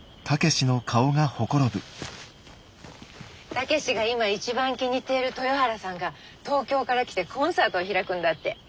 武志が今一番気に入っている豊原さんが東京から来てコンサートを開くんだって。